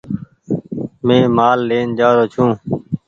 مينٚ مآل لين جآرو ڇوٚنٚ